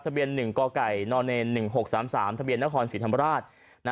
ทะเบียน๑กกน๑๖๓๓ทะเบียนนครศรีธรรมราช